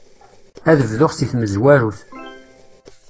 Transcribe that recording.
Ad bduɣ seg tmezwarut.